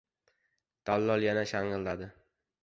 — Dallol yana shang‘illadi.